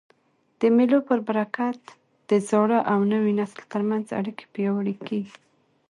د مېلو په برکت د زاړه او نوي نسل تر منځ اړیکي پیاوړي کېږي.